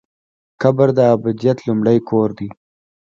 قبر د ابدیت لومړی کور دی؟